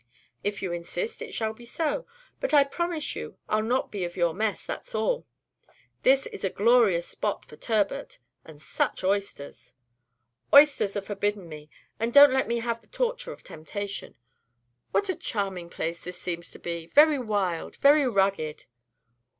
"If you insist, it shall be so; but I promise you I'll not be of your mess, that's all. This is a glorious spot for turbot and such oysters!" "Oysters are forbidden me, and don't let me have the torture of temptation. What a charming place this seems to be! very wild, very rugged."